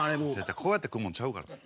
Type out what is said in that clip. こうやって食うもんちゃうからな。